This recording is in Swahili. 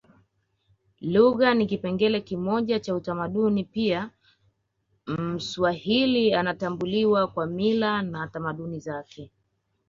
Lugha ni kipengele kimoja cha utamaduni pia mswahili anatambuliwa kwa mila na tamaduni zake